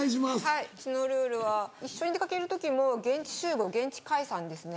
はいうちのルールは一緒に出かける時も現地集合現地解散ですね。